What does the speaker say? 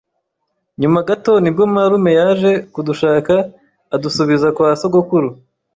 Nyuma gato nibwo marume yaje kudushaka adusubiza kwa sogokuru